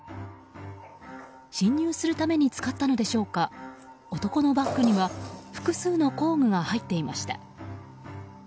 侵入するために使ったのでしょうか男のバッグには複数の工具が入っていました。